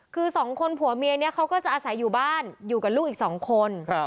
คือสองคนผัวเมียนี้เขาก็จะอาศัยอยู่บ้านอยู่กับลูกอีก๒คน